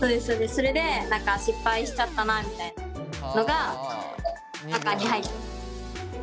それで失敗しちゃったなみたいなのがここに入ってる。